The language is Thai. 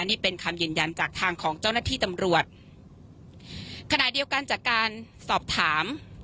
นี่เป็นคำยืนยันจากทางของเจ้าหน้าที่ตำรวจขณะเดียวกันจากการสอบถาม